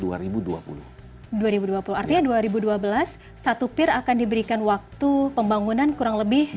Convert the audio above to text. dua ribu dua puluh artinya dua ribu dua belas satu pier akan diberikan waktu pembangunan kurang lebih